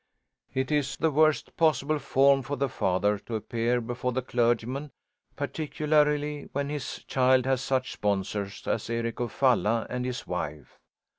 It is the worst possible form for the father to appear before the clergyman, particularly when his child has such sponsors as Eric of Falla, and his wife.